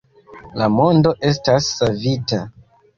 La mondo estas savita